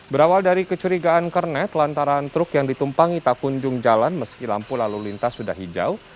berawal dari kecurigaan kernet lantaran truk yang ditumpangi tak kunjung jalan meski lampu lalu lintas sudah hijau